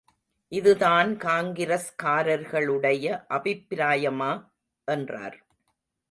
இதுதான் காங்கிரஸ்காரர்களுடைய அபிப்பிராயமா? என்றார்.